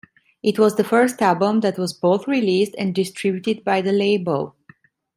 It was the first album that was both released and distributed by the label.